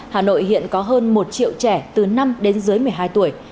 hà nội hiện có hơn một triệu trẻ từ năm đến dưới một mươi hai tuổi